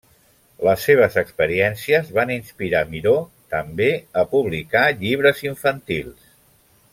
Les seves experiències van inspirar Miró també a publicar llibres infantils.